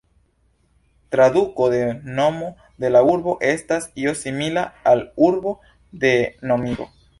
Traduko de nomo de la urbo estas io simila al "urbo de nomigo".